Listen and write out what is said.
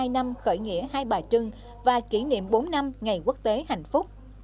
một nghìn chín trăm bảy mươi hai năm khởi nghĩa hai bà trưng và kỷ niệm bốn năm ngày quốc tế hạnh phúc